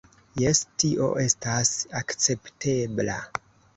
- Jes, tio estas akceptebla